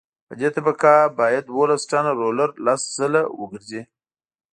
په دې طبقه باید دولس ټنه رولر لس ځله وګرځي